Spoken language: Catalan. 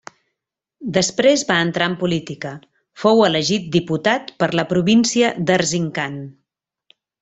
Després va entrar en política; fou elegit diputat per la província d'Erzincan.